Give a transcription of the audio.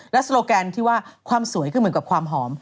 โซโลแกนที่ว่าความสวยคือเหมือนกับความหอม